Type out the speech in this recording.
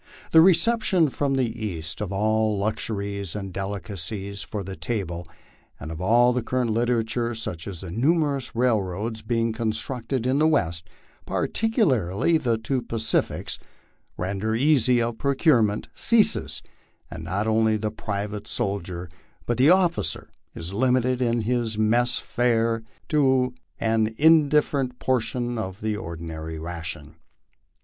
The reception from the East of all luxuries and delicacies for the table and of all current literature, such as the numerous railroads being constructed in the West, particularly the two Pacifies, render easy of procurement, ceases ; and not only the private sol dier but the officer is limited in his mess fare to an indifferent portion of the ordinary ration.